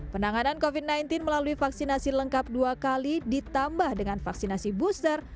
penanganan covid sembilan belas melalui vaksinasi lengkap dua kali ditambah dengan vaksinasi booster